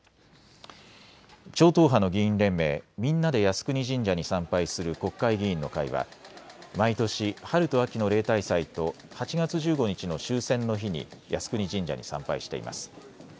超党派の議員連盟、みんなで靖国神社に参拝する国会議員の会は毎年、春と秋の例大祭と８月１５日の終戦の日に靖国神社に参拝しています。